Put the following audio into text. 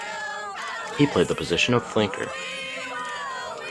He played the position of flanker.